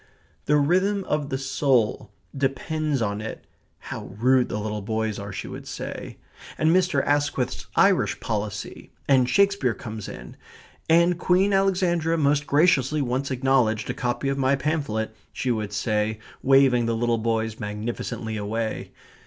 The rhythm of the soul depends on it ("how rude the little boys are!" she would say), and Mr. Asquith's Irish policy, and Shakespeare comes in, "and Queen Alexandra most graciously once acknowledged a copy of my pamphlet," she would say, waving the little boys magnificently away.